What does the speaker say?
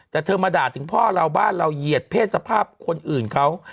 แต่เธอมาด่าถึงพ่อเราบ้านเราเหยียดเพศสภาพคนอื่นเขา